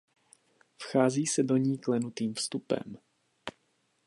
Vchází se do ní klenutým vstupem.